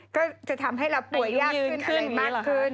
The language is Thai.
ก็จะทำให้เราป่วยยากขึ้นอะไรมากขึ้น